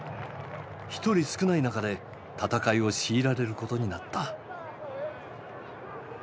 １人少ない中で戦いを強いられることになった。